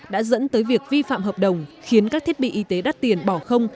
đã dẫn tới việc vi phạm hợp đồng khiến các thiết bị y tế đắt tiền bỏ không